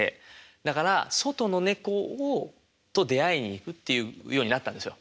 だから外の猫と出会いに行くっていうようになったんですよ。